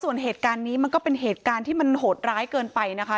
ส่วนเหตุการณ์นี้มันก็เป็นเหตุการณ์ที่มันโหดร้ายเกินไปนะคะ